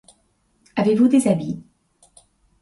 Avez-vous des habits?